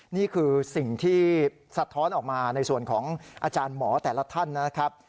นี่คือสิ่งที่สะท้อนออกมาในส่วนของอาจารย์หมอแต่ละท่านนะครับ